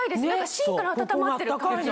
しんから温まってる感じで。